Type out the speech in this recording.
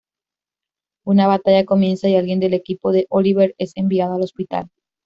Una batalla comienza y alguien del equipo de Oliver es enviado al hospital.